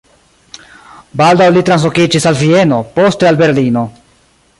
Baldaŭ li translokiĝis al Vieno, poste al Berlino.